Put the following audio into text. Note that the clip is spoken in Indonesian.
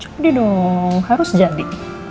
cukup di dong harus jadi